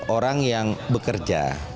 orang yang bekerja